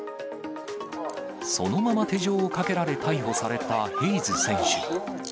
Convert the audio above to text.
そのまま手錠をかけられ、逮捕されたヘイズ選手。